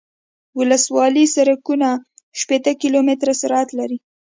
ولسوالي سرکونه شپیته کیلومتره سرعت لري